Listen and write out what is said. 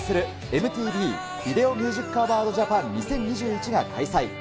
ＭＴＶビデオミュージックアワードジャパン２０２１が開催。